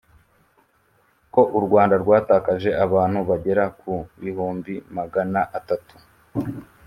ko u Rwanda rwatakaje abantu bagera ku bihumbi magana atatu